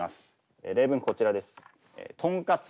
例文こちらです。